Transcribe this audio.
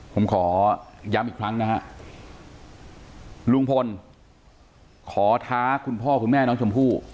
ผมขอย้ำอีกครั้งนะฮะลุงพลขอท้าคุณพ่อคุณแม่น้องชมพู่